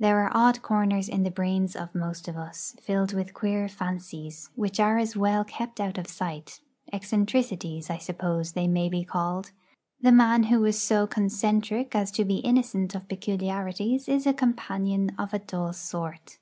There are odd corners in the brains of most of us, filled with queer fancies which are as well kept out of sight; eccentricities, I suppose they may be called. The man who is so 'concentric' as to be innocent of peculiarities is a companion of a dull sort.